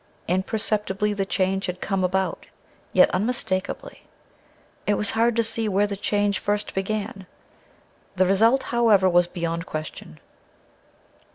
Imperceptibly the change had come about, yet unmistakably. It was hard to see where the change first began. The result, however, was beyond question.